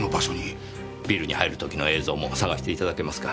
ビルに入る時の映像も探していただけますか。